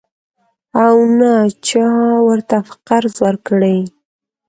او نه چا ورته په قرض ورکړې.